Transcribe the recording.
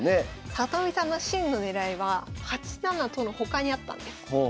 里見さんの真の狙いは８七と金の他にあったんです。